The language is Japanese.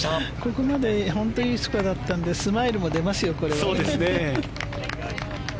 ここまで本当にいいスコアだったのでスマイルも出ますよ、これは。